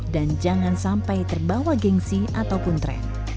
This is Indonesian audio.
dan jangan sampai terbawa gengsi ataupun tren